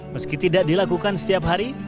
meski tidak dilakukan setiap hari